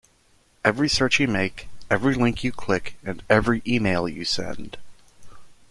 Every search you make, every link you click, and every email you send.